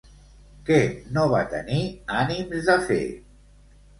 Què no va tenir ànims de fer?